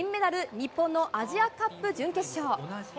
日本のアジアカップ準決勝。